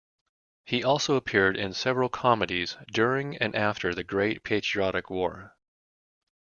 He also appeared in several comedies during and after the Great Patriotic War.